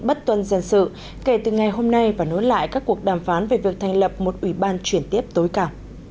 bất tuân dân sự kể từ ngày hôm nay và nối lại các cuộc đàm phán về việc thành lập một ủy ban chuyển tiếp tối cả